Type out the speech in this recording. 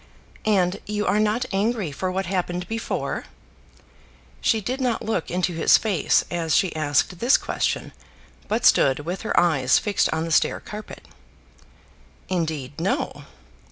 "And you are not angry for what happened before?" She did not look into his face as she asked this question, but stood with her eyes fixed on the stair carpet. "Indeed no."